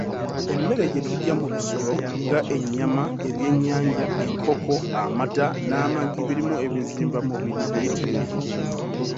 Emmere gye tujja mu bisolo nga ennyama, ebyenyanja, enkoko, amata, n'amagi birimu ebizimbamubiri biyitirivu.